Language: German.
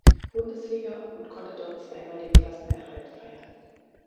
Bundesliga und konnte dort zweimal den Klassenerhalt feiern.